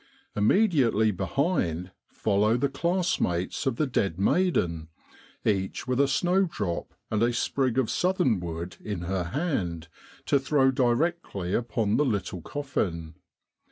Immediately behind follow the classmates of the dead maiden, each with a snowdrop and a sprig of southernwood in her hand, to throw directly upon the little coffin.